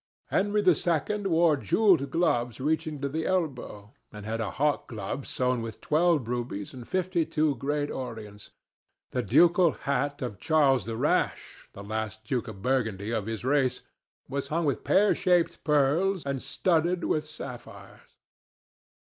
Henry II. wore jewelled gloves reaching to the elbow, and had a hawk glove sewn with twelve rubies and fifty two great orients. The ducal hat of Charles the Rash, the last Duke of Burgundy of his race, was hung with pear shaped pearls and studded with sapphires.